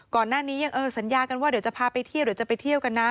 ก่อนหน้านี้ยังเออสัญญากันว่าเดี๋ยวจะพาไปเที่ยวเดี๋ยวจะไปเที่ยวกันนะ